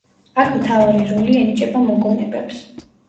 აქ მთავარი როლი ენიჭება მოგონებებს.